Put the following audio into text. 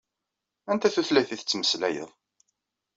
Anta tutlayt i tettmeslayeḍ?